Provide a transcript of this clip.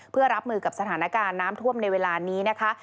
เพื่อรับมือกับสถานการณ์น้ำท่วมในเวลานี้นะคะ